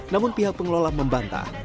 namun pihak pengelola membantah